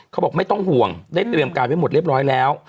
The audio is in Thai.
เขาบอกไม่ต้องห่วงได้เตรียมการไว้หมดเรียบร้อยแล้ว